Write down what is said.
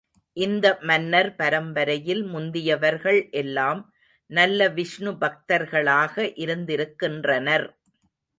இந்த மன்னர் பரம்பரையில் முந்தியவர்கள் எல்லாம் நல்ல விஷ்ணு பக்தர்களாக இருந்திருக்கின்றனர்.